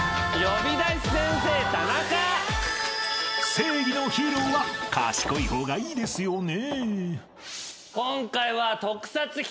［正義のヒーローは賢い方がいいですよね？］